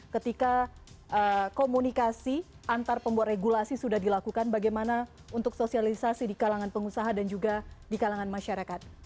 ketika komunikasi antar pembuat regulasi sudah dilakukan bagaimana untuk sosialisasi di kalangan pengusaha dan juga di kalangan masyarakat